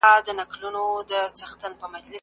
که بارانونه نه وي د مالدارانو ژوند سختیږي.